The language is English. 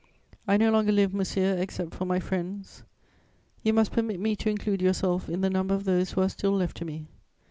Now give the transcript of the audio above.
I no longer live, monsieur, except for my friends; you must permit me to include yourself in the number of those who are still left to me.